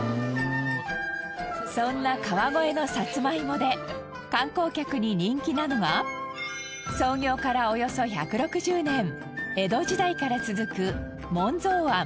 そんな川越のさつまいもで観光客に人気なのは創業からおよそ１６０年江戸時代から続く紋蔵庵。